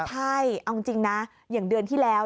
ใช่เอาจริงนะอย่างเดือนที่แล้ว